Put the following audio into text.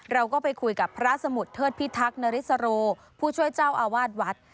เราก็ไปคุยกับพระสมุทรเทิดพิทักษริสโรผู้ช่วยเจ้าอาวาสวัด